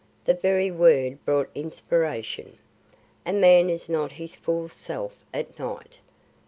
the very word brought inspiration. A man is not his full self at night.